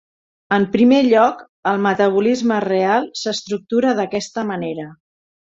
En primer lloc, el metabolisme real s'estructura d'aquesta manera.